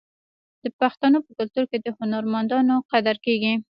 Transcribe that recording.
د پښتنو په کلتور کې د هنرمندانو قدر کیږي.